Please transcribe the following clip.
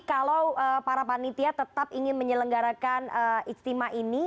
kalau para panitia tetap ingin menyelenggarakan ijtima ini